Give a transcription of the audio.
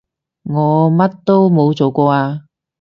我乜都冇做過啊